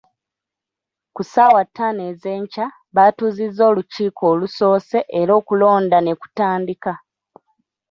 Ku ssaawa ttaano ez'enkya batuuzizza olukiiko olusoose era okulonda ne kutandika.